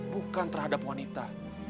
bukan terhadap wanita